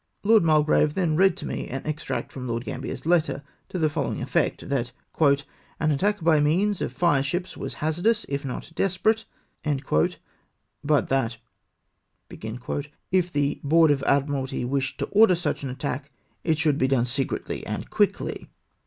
Lord Mulgrave then read me an extract from Lord Gambler's letter, to the following effect, that " an attack by means of fire ships was hazardous, if not desperate ;" but that " if the Board of Admiralty wished to order such an attack, it should be done secretly and quickly."